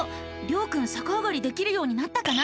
りょうくんさかあがりできるようになったかな？